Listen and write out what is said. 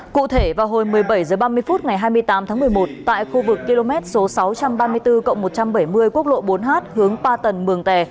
cụ thể vào hồi một mươi bảy h ba mươi phút ngày hai mươi tám tháng một mươi một tại khu vực km số sáu trăm ba mươi bốn một trăm bảy mươi quốc lộ bốn h hướng ba tầng mường tè